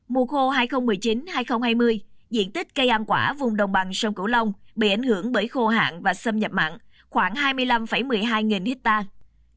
mùa khô hai nghìn một mươi chín hai nghìn hai mươi diện tích cây ăn quả vùng đồng bằng sông cửu long bị ảnh hưởng bởi khô hạn và xâm nhập mặn khoảng hai mươi năm một mươi hai nghìn hectare